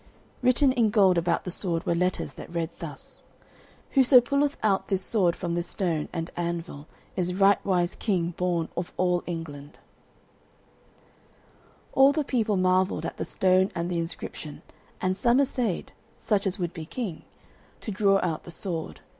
Written in gold about the sword were letters that read thus: "Whoso pulleth out this sword from this stone and anvil is rightwise king born of all England." [Illustration: The Dedication.] All the people marvelled at the stone and the inscription, and some assayed such as would be king to draw out the sword.